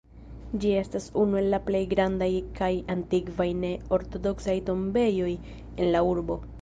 Ĝi estas unu el la plej grandaj kaj antikvaj ne-ortodoksaj tombejoj en la urbo.